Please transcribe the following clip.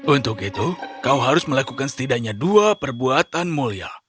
untuk itu kau harus melakukan setidaknya dua perbuatan mulia